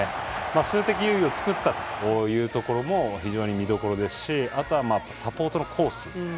数的優位を作ったというところも非常に見どころですしあとは、サポートのコース